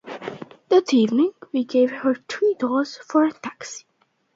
That evening he gave her three dollars for a taxi.